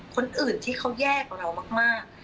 คนอื่นที่เขาแย่กว่าเรามาก